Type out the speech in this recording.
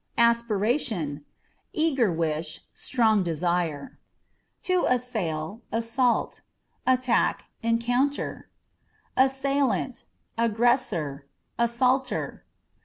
Aspirationâ€" eager wish, strong desire. To Assail, Assault â€" attack, encounter. Assailant â€" aggressor, assaulter.